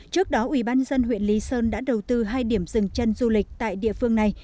trước đó ubnd huyện lý sơn đã đầu tư hai điểm dừng chân du lịch tại địa phương này